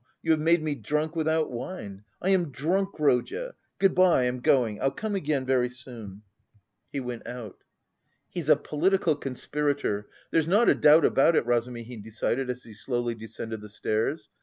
You have made me drunk without wine. I am drunk, Rodya! Good bye, I'm going. I'll come again very soon." He went out. "He's a political conspirator, there's not a doubt about it," Razumihin decided, as he slowly descended the stairs.